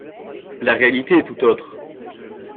La réalité est tout autre.